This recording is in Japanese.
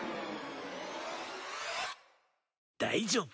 大丈夫。